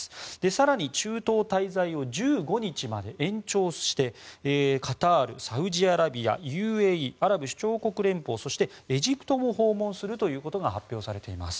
更に、中東滞在を１５日まで延長してカタール、サウジアラビアＵＡＥ・アラブ首長国連邦そして、エジプトも訪問するということが発表されています。